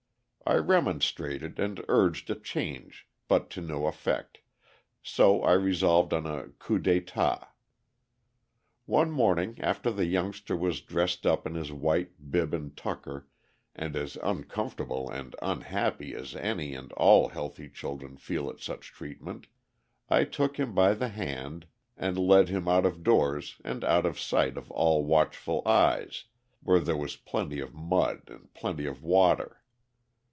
I remonstrated and urged a change but to no effect, so I resolved on a coup d'état. One morning after the youngster was dressed up in his white bib and tucker, and as uncomfortable and unhappy as any and all healthy children feel at such treatment, I took him by the hand and led him out of doors and out of sight of all watchful eyes, where there was plenty of mud and plenty of water.